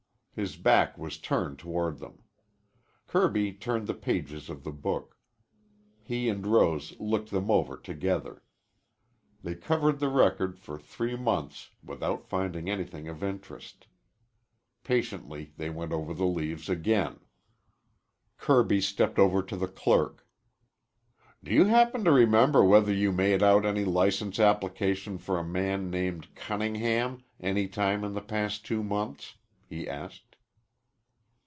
His back was turned toward them. Kirby turned the pages of the book. He and Rose looked them over together. They covered the record for three months without finding anything of interest. Patiently they went over the leaves again. Kirby stepped over to the clerk. "Do you happen to remember whether you made out any license application for a man named Cunningham any time in the past two months?" he asked.